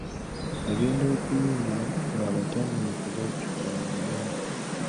Agenda okuyingira ng'abatamiivu bajjudde mu nnyumba.